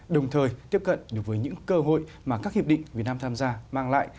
đồng thời tiếp cận được với những cơ hội mà các hiệp định việt nam tham gia mang lại